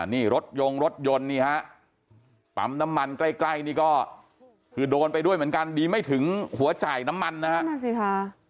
นี่รถยงรถยนต์นี่ฮะปั๊มน้ำมันใกล้นี่ก็คือโดนไปด้วยเหมือนกันดีไม่ถึงหัวจ่ายน้ำมันนะฮะนั่นสิค่ะ